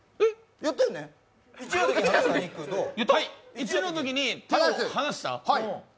１のときに手を離した。